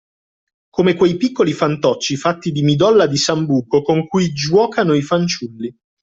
Come quei piccoli fantocci fatti di midolla di sambuco con cui giuocano i fanciulli.